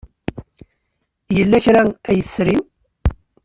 Yella kra ay tesrim?